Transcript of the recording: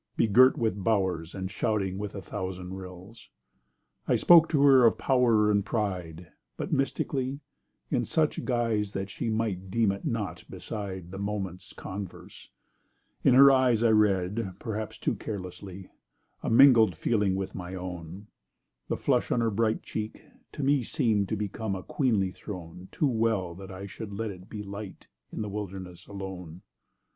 begirt with bowers And shouting with a thousand rills. I spoke to her of power and pride, But mystically—in such guise That she might deem it naught beside The moment's converse; in her eyes I read, perhaps too carelessly— A mingled feeling with my own— The flush on her bright cheek, to me Seem'd to become a queenly throne Too well that I should let it be Light in the wilderness alone.